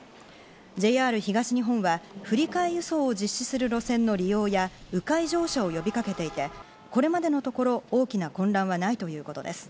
ＪＲ東日本は振り替え輸送を実施する路線の利用や迂回乗車を呼びかけていて、これまでのところ大きな混乱はないということです。